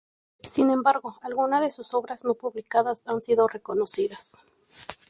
Sin embargo, algunas de sus obras no publicadas han sido reconocidas.